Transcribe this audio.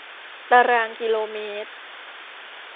ตารางกิโลเมตร